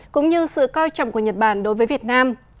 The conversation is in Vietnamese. cũng như sự coi trọng của nhật bản đối với việt nam